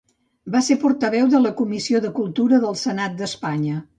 Va ser portaveu de la Comissió de Cultura del Senat d'Espanya.